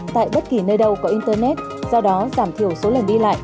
tại bất kỳ nơi đâu có internet do đó giảm thiểu số lần đi lại